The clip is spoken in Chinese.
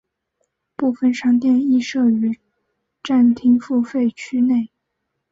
部分商店亦设于站厅付费区内。